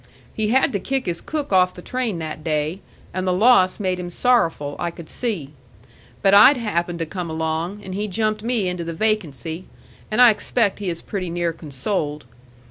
He had to kick his cook off the train that day, and the loss made him sorrowful, I could see. But I'd happened to come along, and he jumped me into the vacancy, and I expect he is pretty near consoled.